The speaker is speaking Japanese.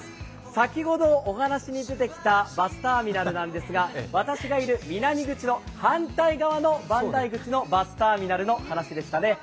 先ほどお話しに出てきたバスターミナルなんですが私がいる南口の反対側の万代口のバスターミナルの話でしたね。